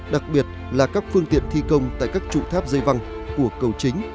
đặc biệt là các phương tiện thi công tại các trụ tháp dây văng của cầu chính